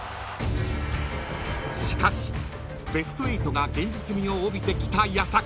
［しかしベスト８が現実味を帯びてきた矢先］